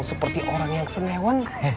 seperti orang yang senyewan